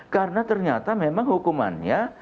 karena ternyata memang hukumannya